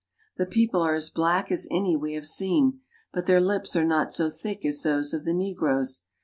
The people are as black as any wc have sccii ; but their lips are not so thick as those of the negroes.